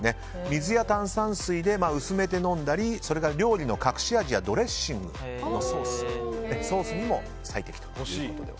水や炭酸水で薄めて飲んだりそれから料理の隠し味やドレッシング、ソースにも最適ということで。